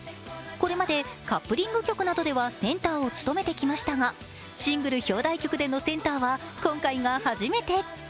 これまでカップリング曲などではセンターを務めてきましたがシングル表題曲でのセンターは今回が初めて。